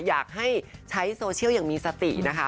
อยากให้ใช้โซเชียลอย่างมีสตินะคะ